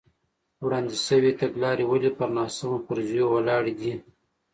وړاندې شوې تګلارې ولې پر ناسمو فرضیو ولاړې دي.